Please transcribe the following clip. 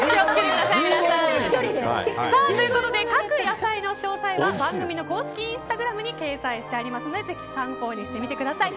各野菜の詳細は番組の公式インスタグラムに掲載してありますのでぜひ参考にしてみてください。